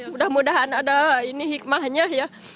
mudah mudahan ada ini hikmahnya ya